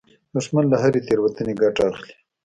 دښمن له هرې تېروتنې ګټه اخلي